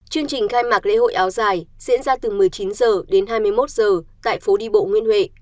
chương trình khai mạc lễ hội áo dài diễn ra từ một mươi chín h đến hai mươi một h tại phố đi bộ nguyên huệ